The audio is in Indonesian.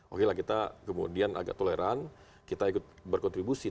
oke lah kita kemudian agak toleran kita ikut berkontribusi